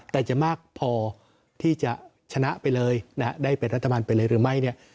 แต่จะมากพอที่จะชนะไปเลยนะฮะได้เป็นรัฐบาลไปเลยหรือไม่เนี่ย